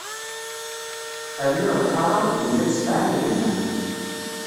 Rniɣ lḥara, deg illan sebɛa n yeḥmam.